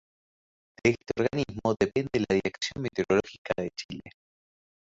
De este organismo depende la Dirección Meteorológica de Chile.